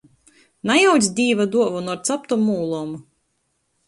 Najauc Dīva duovonu ar captom ūlom!